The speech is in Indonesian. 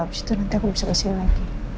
habis itu nanti aku bisa kesini lagi